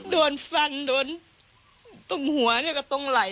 โดนฟันโดนตรงหัวกับตรงไหล่